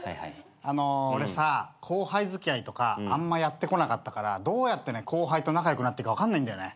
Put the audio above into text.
俺さ後輩付き合いとかあんまやってこなかったからどうやって後輩と仲良くなっていいか分かんないんだよね。